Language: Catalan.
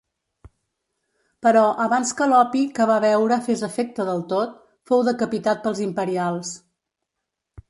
Però, abans que l'opi que va beure fes efecte del tot, fou decapitat pels imperials.